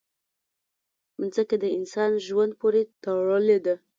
مځکه د انسان ژوند پورې تړلې ده.